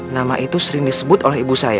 nama itu sering disebut oleh ibu saya